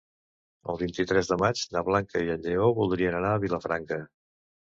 El vint-i-tres de maig na Blanca i en Lleó voldrien anar a Vilafranca.